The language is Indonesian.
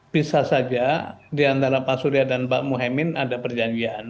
bisa saja diantara pak surya dan pak muhyemin ada perjanjian